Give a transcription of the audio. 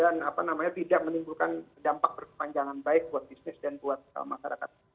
dan tidak menimbulkan dampak berkepanjangan baik buat bisnis dan buat masyarakat